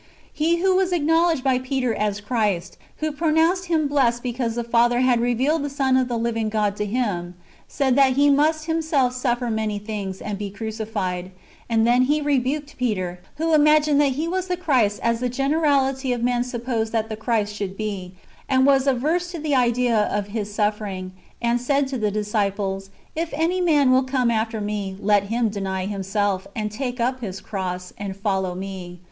^ He who was acknowledged by Peter as Christ, who pronounced him blessed because the Father had revealed the Son of the living God to him, said that He must Himself suffer many things, and be crucified ; and then He rebuked Peter, who imagined that He was the Christ as the generality of men supposed ^ [that the Christ should be], and was averse to the idea of His suffering, [and] said to the disciples, " If any man will come after me, let him deny himself, and take up his cross, and follow me.